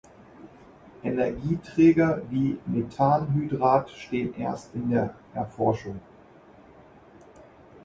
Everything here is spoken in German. Energieträger wie Methanhydrat stehen erst in der Erforschung.